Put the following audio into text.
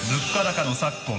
物価高の昨今